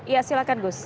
ya silahkan gus